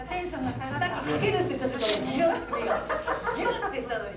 さっき賭けるって言った瞬間ギラッ！って目がギラッ！ってしたのに。